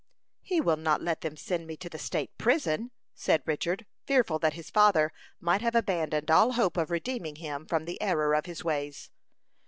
"He will not let them send me to the state prison?" said Richard, fearful that his father might have abandoned all hope of redeeming him from the error of his ways.